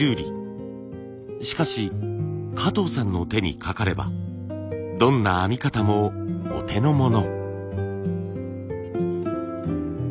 しかし加藤さんの手にかかればどんな編み方もお手の物。